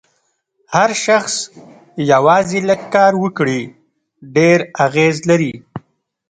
هر شخص یوازې لږ کار وکړي ډېر اغېز لري.